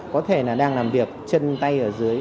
có thể là đang làm việc chân tay ở dưới